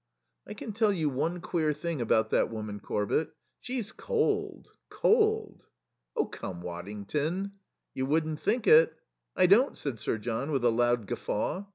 "I can tell you one queer thing about that woman, Corbett. She's cold cold." "Oh, come, Waddington " "You wouldn't think it " "I don't," said Sir John, with a loud guffaw.